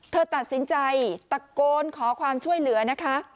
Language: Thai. เธอตัดสินใจตะโกนขอความช่วยเหลือนะคะ